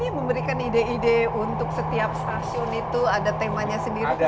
memberikan ide ide untuk setiap stasiun itu ada temanya sendiri